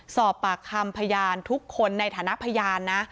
สอบปากคำพยานทุกคนในฐานะพยานนะ